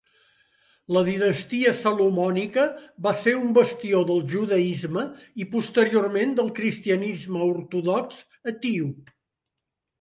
La dinastia salomònica va ser un bastió del judaisme i posteriorment del cristianisme ortodox etíop.